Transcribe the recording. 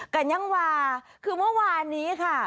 กันยังวาคือเมื่อวานนี้ค่ะ